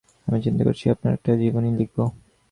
আমি চিন্তা করছি আপনার একটা জীবনী লিখব।